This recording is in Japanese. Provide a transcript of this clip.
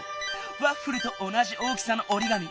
ワッフルとおなじ大きさのおりがみ。